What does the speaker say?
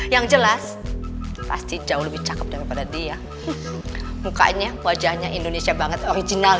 yang jelas pasti jauh lebih cakep daripada dia mukanya wajahnya indonesia banget original